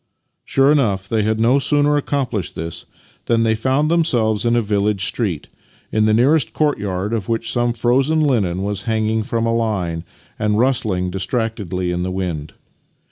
Sure enough, they had no sooner accomplished this than they found themselves in a village street, in the nearest courtyard of which some frozen linen was hanging from a line and rustling distractedly in the wind.